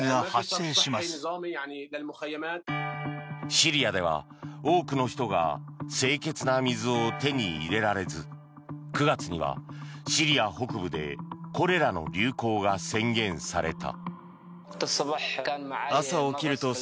シリアでは多くの人が清潔な水を手に入れられず９月にはシリア北部でコレラの流行が宣言された。